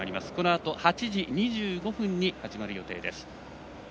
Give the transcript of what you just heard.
このあと８時２５分に始まる予定です。